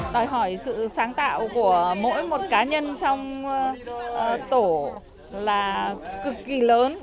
đòi hỏi sự sáng tạo của mỗi một cá nhân trong tổ là cực kỳ lớn